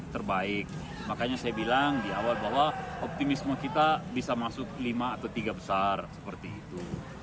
terbaik makanya saya bilang di awal bahwa optimisme kita bisa masuk lima atau tiga besar seperti itu